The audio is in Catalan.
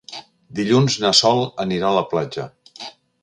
Dilluns na Sol anirà a la platja.